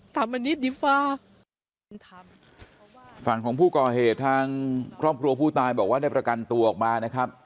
ทำอันนี้ดีกว่าฝั่งของผู้ก่อเหตุทางครอบครัวผู้ตายบอกว่าได้ประกันตัวออกมานะครับ